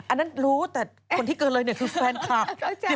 อันนั้นรู้แต่คนที่เกินเลยเนี่ยคือแฟนคลับ